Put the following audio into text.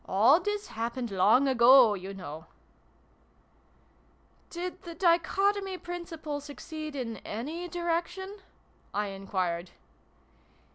All this happened long ago, you know !"" Did the Dichotomy Principle succeed in any direction ?" I enquired.